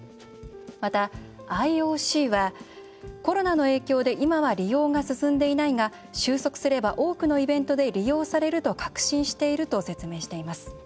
また、ＩＯＣはコロナの影響で今は利用が進んでいないが収束すれば多くのイベントで利用されると確信していると説明しています。